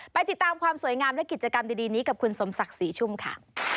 ไปติดตามความสวยงามและกิจกรรมดีนี้กับคุณสมศักดิ์ศรีชุ่มค่ะ